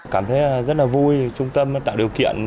cảm thấy rất vui trung tâm tạo điều kiện